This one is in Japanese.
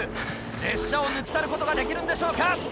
列車を抜き去ることができるんでしょうか？